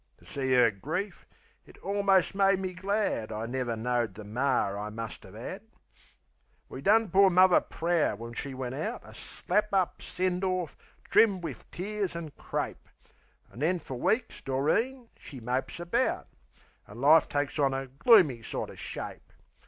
To see 'er grief, it almost made me glad I never knowed the mar I must 'ave 'ad. We done poor Muvver proud when she went out A slap up send orf, trimmed wiv tears an' crape. An' then fer weeks Doreen she mopes about, An' life takes on a gloomy sorter shape.